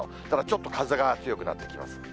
ただちょっと風が強くなってきます。